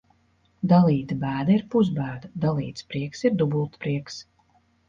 Dalīta bēda ir pusbēda, dalīts prieks ir dubultprieks.